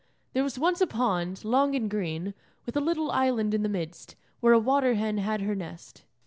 There was once a pond, long and green, with a little island in the midst, where a water hen had her nest.